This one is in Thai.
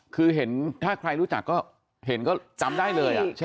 คือเห็นถ้าใครรู้จักก็เห็นก็จำได้เลย